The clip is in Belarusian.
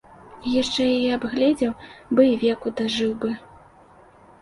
Я яшчэ яе абгледзеў бы і веку дажыў бы.